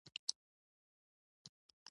د خبرو فصاحت مهم دی